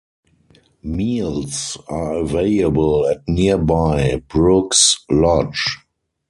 Meals are available at nearby Brooks Lodge.